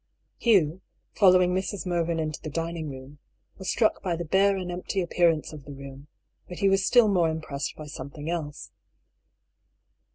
Hugh, following Mrs. Mervyn into the dining room, was struck by the bare and empty appearance of the room, but he was still more impressed by something else.